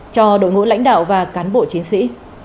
cho đội ngũ lãnh đạo và cán bộ chiến sĩ